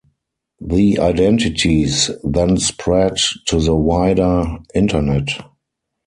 The identities then spread to the wider Internet.